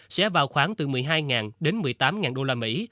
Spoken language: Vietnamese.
sẽ vào khoảng từ một mươi hai đến một mươi tám đô la mỹ